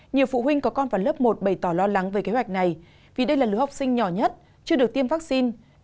nhiều phụ huynh có con vào lớp một bày tỏ lo lắng về kế hoạch này vì đây là lứa học sinh nhỏ nhất chưa được tiêm vaccine